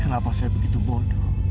kenapa saya begitu bodoh